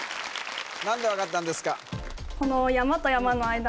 何で分かったんですか？